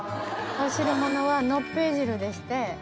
お汁ものはのっぺい汁でして。